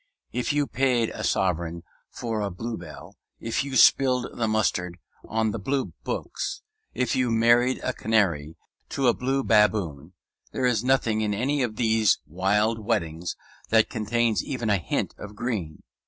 If you paid a sovereign for a bluebell; if you spilled the mustard on the blue books; if you married a canary to a blue baboon; there is nothing in any of these wild weddings that contains even a hint of green.